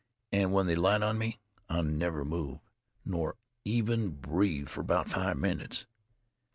An' when they light on me, I never move, nor even breathe fer about five minutes.